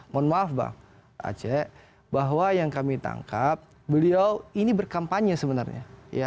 mohon maaf bang aceh bahwa yang kami tangkap beliau ini berkampanye sebenarnya